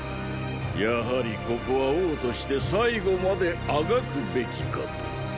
やはりここは王として最後まであがくべきかと。